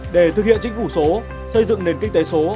để thực hiện chính phủ số xây dựng nền kinh tế số